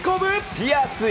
ピアスへ。